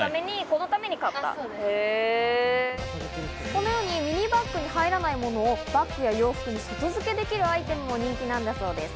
このようにミニバッグに入らないものをバッグや洋服に外付けできるアイテムも人気なんだそうです。